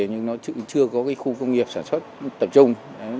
nhưng nó chưa có khu công nghiệp sản xuất tập trung